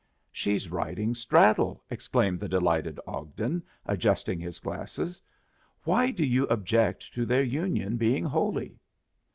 "She's riding straddle!" exclaimed the delighted Ogden, adjusting his glasses. "Why do you object to their union being holy?"